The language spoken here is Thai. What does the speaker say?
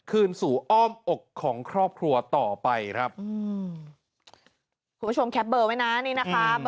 คืนสู่อ้อมอกของครอบครัวต่อไปครับอืมคุณผู้ชมแคปเบอร์ไว้นะนี่นะคะ